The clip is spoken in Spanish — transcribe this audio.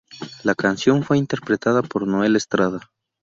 La canción fue interpretada por Noel Estrada.